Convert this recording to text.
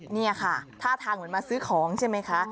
นี่ค่ะท่าทางเหมือนมาซื้อของใช่ไหมคะ